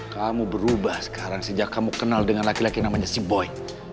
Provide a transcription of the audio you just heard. kamu berubah sekarang sejak kamu kenal dengan laki laki namanya sea boy